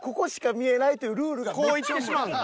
こう行ってしまうんや。